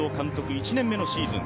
１年目のシーズン。